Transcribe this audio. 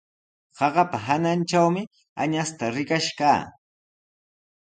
Qaqapa hanantrawmi añasta rikash kaa.